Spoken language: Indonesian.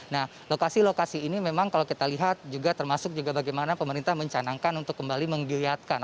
nah lokasi lokasi ini memang kalau kita lihat juga termasuk juga bagaimana pemerintah mencanangkan untuk kembali menggiliatkan